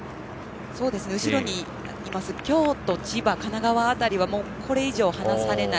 後ろにいます京都、千葉、神奈川辺りはこれ以上、離されない。